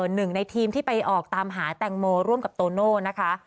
หนึ่งในทีมที่ไปออกตามหาแตงโมร่วมกับโตโน่นะคะ